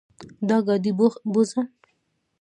دا ګاډې بوځه.